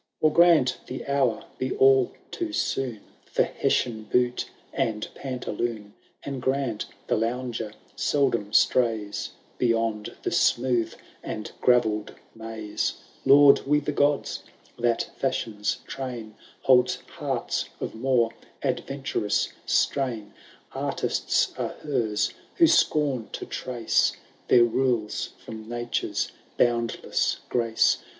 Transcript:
II. Or grant the hour be all too soon For Hessian boot and pantaloon. And grant the lounger seldom strays Beyond the smooth and gravelled maze, Laud we the gods, that Fashion^s train Holds hearts of more adyenturous strain. Artists are hers, who scorn to trace Their rules from Nature's boimdless grace.